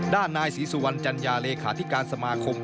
ด้านนายศรีสุวรรณจัญญาเลขาธิการสมาคม